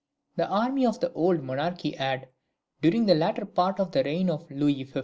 The army of the old monarchy had, during the latter part of the reign of Louis XV.